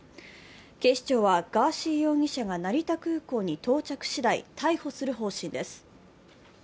警視庁はガーシー容疑者が成田空港に到着ししだい、逮捕する方針です。